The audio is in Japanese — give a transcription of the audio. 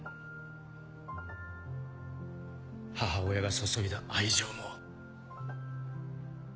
母親が注いだ愛情も。